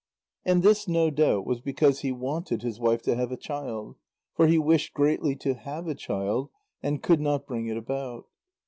And this no doubt was because he wanted his wife to have a child, for he wished greatly to have a child, and could not bring it about.